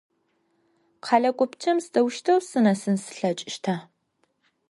Къэлэ гупчэм сыдэущтэу сынэсын слъэкӏыщта?